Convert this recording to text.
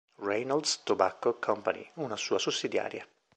Reynolds Tobacco Company, una sua sussidiaria.